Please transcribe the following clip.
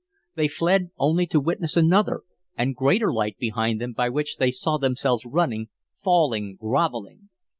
They fled only to witness another and greater light behind them by which they saw themselves running, falling, grovelling.